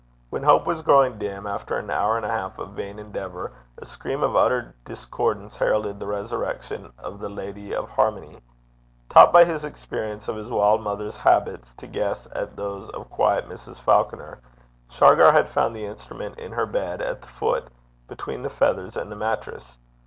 When hope was growing dim, after an hour and a half of vain endeavour, a scream of utter discordance heralded the resurrection of the lady of harmony. Taught by his experience of his wild mother's habits to guess at those of douce Mrs. Falconer, Shargar had found the instrument in her bed at the foot, between the feathers and the mattress.